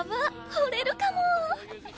惚れるかも。